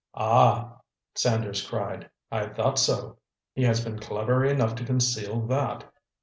"Ah!" Sanders cried, "I thought so! He has been clever enough to conceal that.